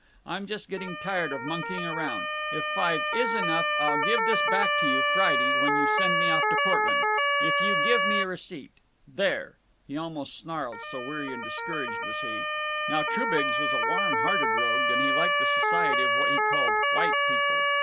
I'm just getting tired of monkeying around. If five is enough I'll give this back to you Friday, when you send me off to Portland, if you give me a receipt. There!" He almost snarled, so weary and discouraged was he. Now, Trubiggs was a warm hearted rogue, and he liked the society of what he called "white people."